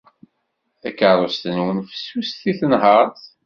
Takeṛṛust-nwen fessuset i tenhaṛt.